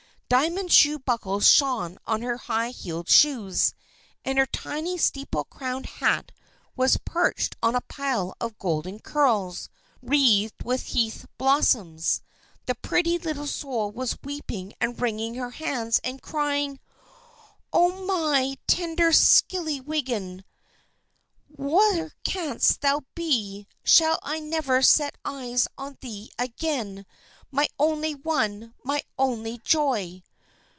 Diamond shoe buckles shone on her high heeled shoes, and her tiny steeple crowned hat was perched on a pile of golden curls, wreathed with heath blossoms. The pretty little soul was weeping and wringing her hands, and crying: "O my dear, tender Skillywidden! Where canst thou be! Shall I never set eyes on thee again, my only one, my only joy?"